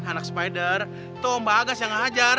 anak spider itu mbak agas yang ngajar